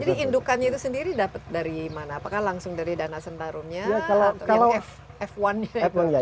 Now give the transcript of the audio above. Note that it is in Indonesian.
jadi indukannya itu sendiri dapat dari mana apakah langsung dari dana sentarunnya atau yang f satu nya itu